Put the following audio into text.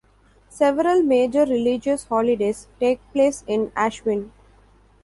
Several major religious holidays take place in Ashvin.